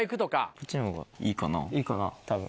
こっちの方がいいかなたぶん。